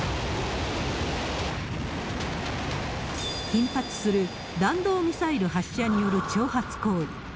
頻発する弾道ミサイル発射による挑発行為。